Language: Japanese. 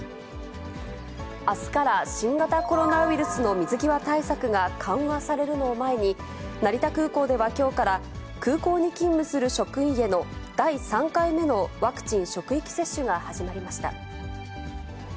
あすから新型コロナウイルスの水際対策が緩和されるのを前に、成田空港ではきょうから、空港に勤務する職員への第３回目のワクチン職域接種が始まりました。